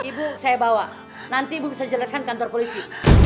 ibu saya bawa nanti ibu bisa jelaskan kantor polisi